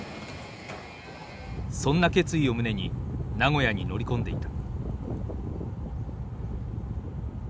そんな決意を胸に名古屋に乗り込んでいた。